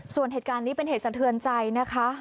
ส่วนเหตุการณ์นี้เป็นเหตุสะเทือนใจนะคะ